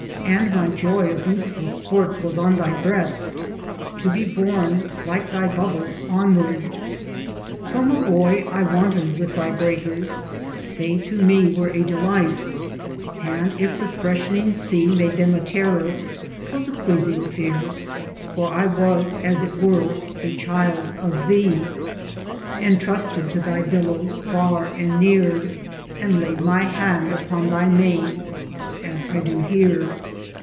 and my joy Of youthful sports was on thy breast to be Borne, like thy bubbles, onward; from a boy I wanton'd with thy breakers they to me Were a delight; and if the freshening sea Made them a terror 'twas a pleasing fear, For I was as it were a child of thee, And trusted to thy billows far and near, And laid my hand upon thy mane as I do here.